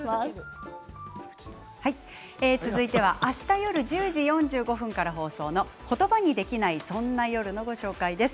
あした夜１０時４５分から放送の「言葉にできない、そんな夜。」のご紹介です。